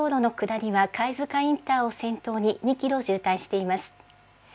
千葉県の京葉道路の下りはかいづかインターを先頭に２キロ渋滞しています。